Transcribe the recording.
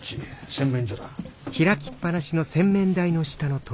洗面所だ。